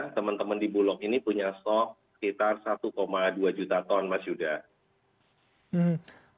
teman teman di bulog ini punya stok sekitar satu dua juta ton mas yuda